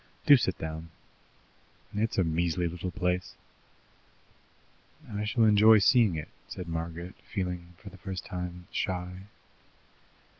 Do sit down! It's a measly little place." "I shall enjoy seeing it," said Margaret, feeling, for the first time, shy.